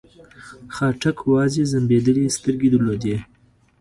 خاټک وازې ځمبېدلې سترګې درلودې.